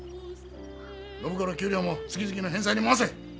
暢子の給料も月々の返済に回せ。